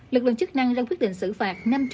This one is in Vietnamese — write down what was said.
lực lượng chức năng đang quyết định xử phạt